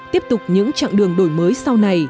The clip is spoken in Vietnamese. tiếp tục những chặng đường đổi mới sau